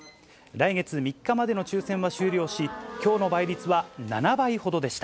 来月３日までの抽せんは終了し、きょうの倍率は７倍ほどでした。